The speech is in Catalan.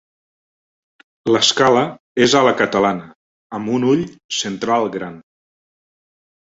L'escala és a la catalana, amb un ull central gran.